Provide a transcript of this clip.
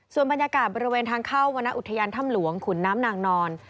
ส่วนบรรยากาศบริเวณทางเข้าวรรณอุทยานถ้ำหลวงขุนน้ำนางนอน